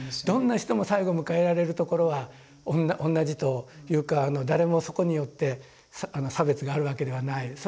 どんな人も最後迎えられるところは同じというか誰もそこによって差別があるわけではない。